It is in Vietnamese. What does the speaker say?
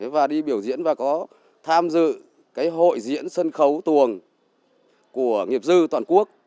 và đi biểu diễn và có tham dự cái hội diễn sân khấu tuồng của nghiệp dư toàn quốc